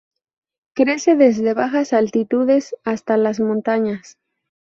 Crece desde bajas altitudes hasta las montañas.